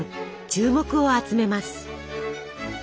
注目を集めます。